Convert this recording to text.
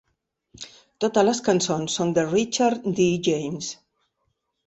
Totes les cançons són de Richard D. James.